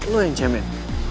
lu yang cemen